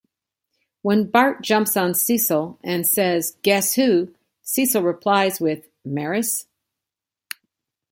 When Bart jumps on Cecil and says "guess who," Cecil replies with "Maris?